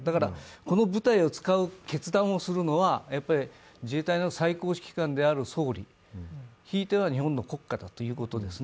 この部隊を使う決断をするのは自衛隊の最高指揮官である総理、ひいては日本の国家だということですね。